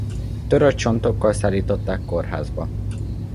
Törött csontokkal szállították kórházba.